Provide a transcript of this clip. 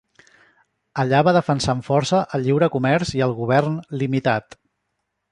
Allà va defensar amb força el lliure comerç i el govern limitat.